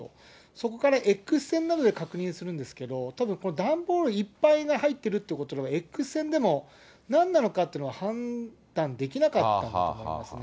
そこからＸ線などで確認するんですけど、たぶん、段ボールいっぱいに入ってるってことから、Ｘ線でもなんなのかというのは判断できなかったんだと思いますね。